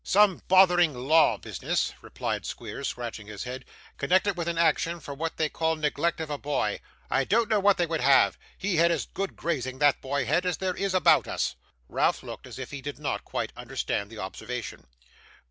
'Some bothering law business,' replied Squeers, scratching his head, 'connected with an action, for what they call neglect of a boy. I don't know what they would have. He had as good grazing, that boy had, as there is about us.' Ralph looked as if he did not quite understand the observation.